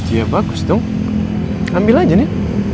ya bagus dong ambil aja nih